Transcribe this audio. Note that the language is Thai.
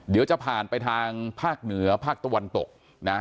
เดี๋ยวจะผ่านไปทางภาคเหนือภาคตะวันตกนะ